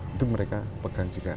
itu mereka pegang juga